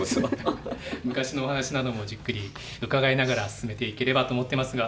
昔のお話などもじっくり伺いながら進めていければと思っていますが。